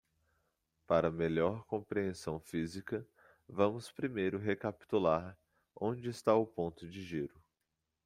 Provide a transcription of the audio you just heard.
Para melhor compreensão física, vamos primeiro recapitular onde está o ponto de giro.